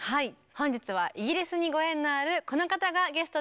本日はイギリスにご縁のあるこの方がゲストです。